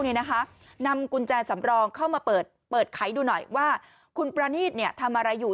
นำกุญแจสำรองเข้ามาเปิดไขดูหน่อยว่าคุณประนีตทำอะไรอยู่